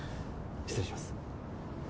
失礼します。